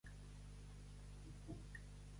Més val aplegar tard a missa, que prompte al ball.